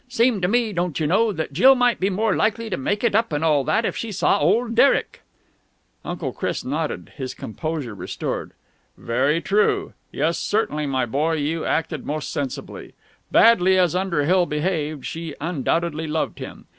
Seemed to me, don't you know, that Jill might be more likely to make it up and all that if she saw old Derek." Uncle Chris nodded, his composure restored. "Very true. Yes, certainly, my boy, you acted most sensibly. Badly as Underhill behaved, she undoubtedly loved him.